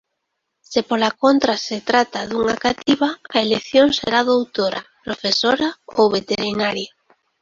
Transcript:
Se, pola contra, se trata dunha cativa, a elección será doutora, profesora ou veterinaria.